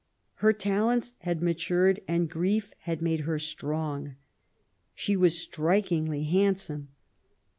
Her talents had matured, and grief had made her strong. She was strikingly handsome.